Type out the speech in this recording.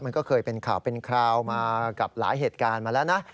มันก็เคยเป็นข่าวเป็นคราวมากับหลายเหตุการณ์มาแล้วนะ